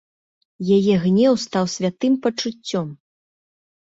І яе гнеў стаў святым пачуццём.